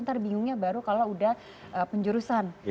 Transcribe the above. ntar bingungnya baru kalau udah penjurusan